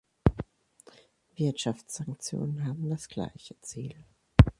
Wirtschaftssanktionen haben das gleiche Ziel.